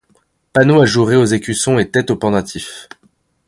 Panneaux ajourés avec écussons et têtes aux pendentifs.